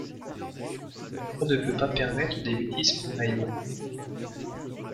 On ne peut pas permettre des bêtises pareilles.